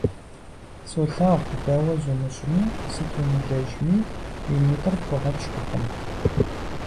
Солъагъу, дауэ зумыщӀми, сыт умылэжьми уи нитӀыр пхуэгъэпщкӀуркъым.